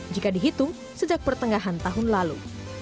jika dihitung sejak pertengahan tahun lalu